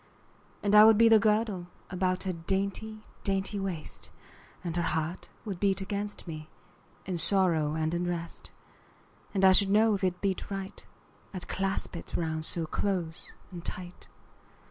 And I would be the girdle About her dainty dainty waist, And her heart would beat against me, In sorrow and in rest: 10 And I should know if it beat right, I'd clasp it round so close and tight.